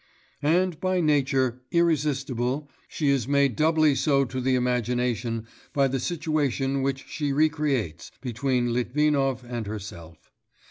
And, by nature irresistible, she is made doubly so to the imagination by the situation which she recreates between Litvinov and herself.